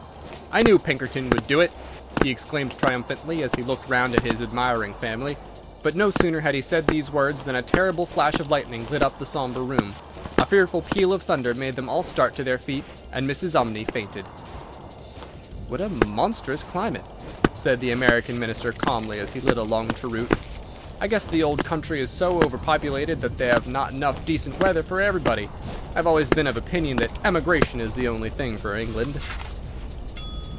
"I knew Pinkerton would do it," he exclaimed, triumphantly, as he looked round at his admiring family; but no sooner had he said these words than a terrible flash of lightning lit up the sombre room, a fearful peal of thunder made them all start to their feet, and Mrs. Umney fainted. "What a monstrous climate!" said the American Minister, calmly, as he lit a long cheroot. "I guess the old country is so overpopulated that they have not enough decent weather for everybody. I have always been of opinion that emigration is the only thing for England."